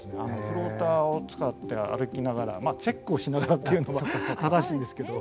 フローターを使って歩きながらまあチェックをしながらっていうのが正しいんですけど。